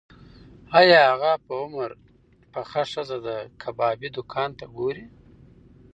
ایا هغه په عمر پخه ښځه د کبابي دوکان ته ګوري؟